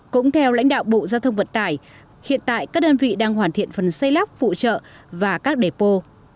cũng theo lãnh đạo bộ giao thông vận tải hiện tại các đơn vị đang hoàn thiện phần xây lắp phụ trợ và các đề bô